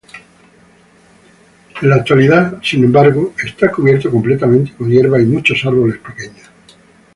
En la actualidad, sin embargo, está cubierto completamente con hierba, y muchos árboles pequeños.